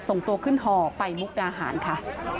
ส่งตัวขึ้นห่อไปมุกดาหารค่ะ